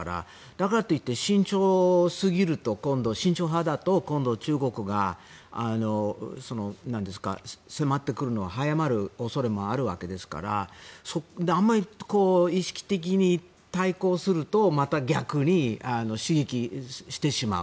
だからと言って慎重すぎると慎重派だと今度、中国が迫ってくるのが早まる恐れもあるわけですからあまり意識的に対抗するとまた、逆に刺激してしまう。